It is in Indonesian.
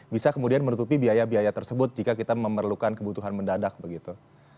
bisa kemudian menutupi biaya biaya tersebut jika kita memerlukan kebutuhan mendadak begitu